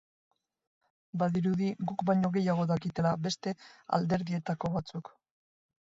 Badirudi guk baino gehiago dakitela beste alderdietako batzuk.